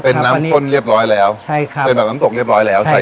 เป็นน้ำข้นเรียบร้อยแล้วใช่ค่ะเป็นแบบน้ำตกเรียบร้อยแล้วใส่